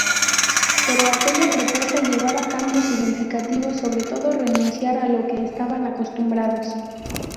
Pero aquella propuesta llevaba cambios significativos, sobre todo renunciar a lo que estaban acostumbrados.